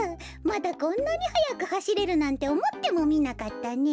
まだこんなにはやくはしれるなんておもってもみなかったね。